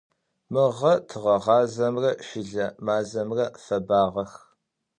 Мыгъэ тыгъэгъазэмрэ щылэ мазэмрэ фэбагъэх.